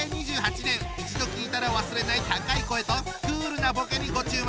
一度聞いたら忘れない高い声とクールなボケにご注目。